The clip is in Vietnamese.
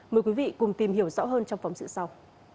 mời quý vị cùng tìm hiểu rõ hơn trong phóng sự sau